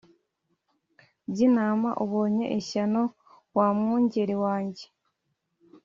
By intama ubonye ishyano wa mwungeri wanjye